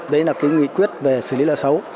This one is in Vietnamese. đấy là cái nghị quyết về xử lý nợ xấu